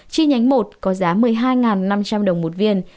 chi nhánh một có giá một mươi hai năm trăm linh đồng một viên